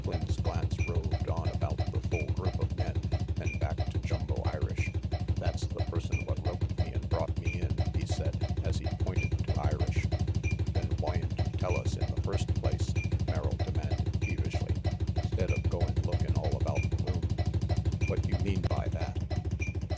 Flynn 's glance roved on about the full group of men, then back to Jumbo Irish. "That's the person what roped me an' brought me in," he said, as he pointed to Irish. "Then whyn't you tell us in the first place?" Merrill demanded peevishly, " 'stead of goin' lookin' all about the room. What you mean by that?"